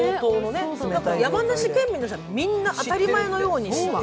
山梨県民の方はみんな当たり前のように。